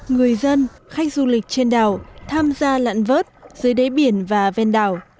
người dân khách du lịch trên đảo tham gia lặn vớt dưới đáy biển và ven đảo